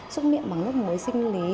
xúc miệng bằng nước mới sinh lý